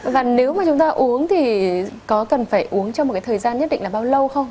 và nếu mà chúng ta uống thì có cần phải uống trong một cái thời gian nhất định là bao lâu không